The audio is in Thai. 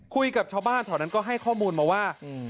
คุยกับชาวบ้านแถวนั้นก็ให้ข้อมูลมาว่า